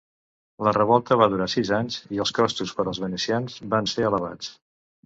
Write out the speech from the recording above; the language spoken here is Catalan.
La revolta va durar sis anys i els costos per als venecians van ser elevats.